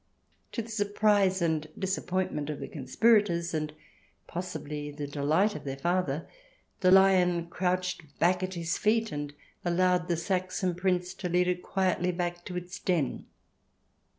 To the surprise and disappointment of the conspirators, and possibly the 172 THE DESIRABLE ALIEN [ch. xii delight of their father, the lion crouched back at his feet, and allowed the Saxon Prince to lead it quietly back to its den.